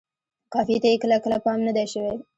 قافیې ته یې کله کله پام نه دی شوی.